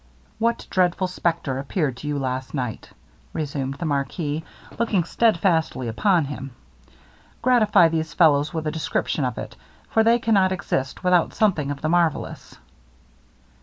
'What dreadful spectre appeared to you last night?' resumed the marquis, looking stedfastly upon him: 'gratify these fellows with a description of it, for they cannot exist without something of the marvellous.'